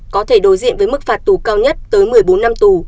có thể đối diện với mức phạt tù cao nhất tới một mươi bốn năm tù